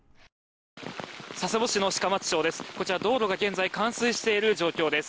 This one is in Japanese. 佐世保市の鹿町町です。